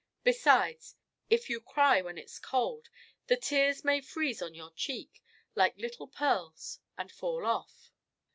Besides, if you cry when it's cold, the tears may freeze on your cheeks, like little pearls, and fall off."